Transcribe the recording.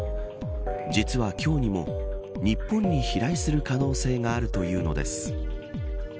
実は、今日にも日本に飛来する可能性があるというのです。